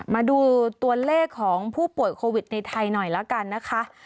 มาดูตัวเลขของผู้ป่วยโควิดในไทยหน่อยละกันนะคะ